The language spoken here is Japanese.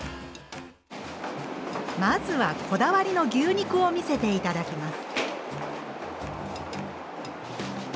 まずはこだわりの牛肉を見せて頂きます。